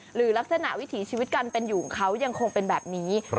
หรือลักษณะวิถีชีวิตการเป็นอยู่ของเขายังคงเป็นแบบนี้